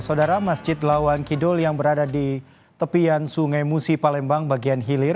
saudara masjid lawan kidul yang berada di tepian sungai musi palembang bagian hilir